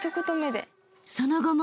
［その後も］